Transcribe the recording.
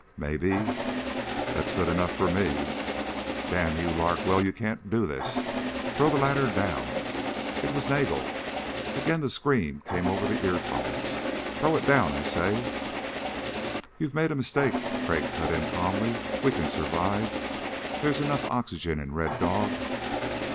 "Maybe...." "That's good enough for me." "Damn you, Larkwell, you can't do this. Throw that ladder down." It was Nagel. Again the scream came over the earphones: "Throw it down, I say." "You've made a mistake," Crag cut in calmly. "We can survive. There's enough oxygen in Red Dog."